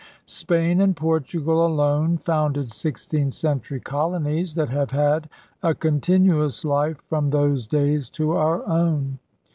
Spain and Portugal alone founded sixteenth century colonies that have had a continuous life from those days to our own.